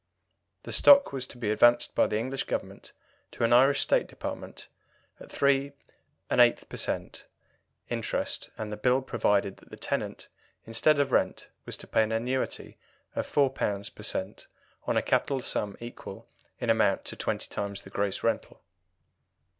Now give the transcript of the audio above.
The stock was to be advanced by the English Government to an Irish State department at 3 1/8 per cent. interest, and the Bill provided that the tenant, instead of rent, was to pay an annuity of £4 per cent. on a capital sum equal in amount to twenty times the gross rental.